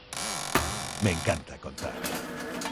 Me encanta contar.